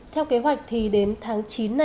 theo kế hoạch đến tháng chín